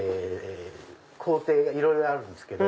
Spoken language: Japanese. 工程がいろいろあるんですけど。